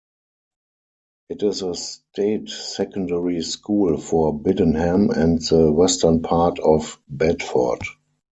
It is a state secondary school for Biddenham and the western part of Bedford.